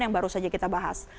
yang baru saja kita bahas